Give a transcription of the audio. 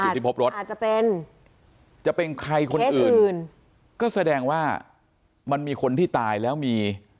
อาจจะเป็นจะเป็นใครคนอื่นเคสอื่นก็แสดงว่ามันมีคนที่ตายแล้วมี